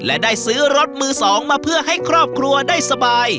และได้ซื้อรถมือ๒มาเพื่อให้ครอบครัวได้สบาย